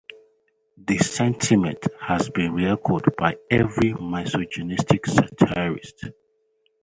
The sentiment has been re-echoed by every misogynistic satirist.